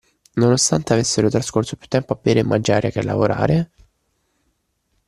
Nonostante avessero trascorso più tempo a bere e mangiare che a lavorare